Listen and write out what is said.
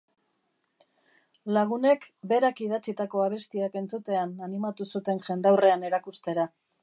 Lagunek berak idatzitako abestiak entzutean animatu zuten jendaurrean erakustera.